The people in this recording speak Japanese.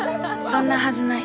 そんなはずない。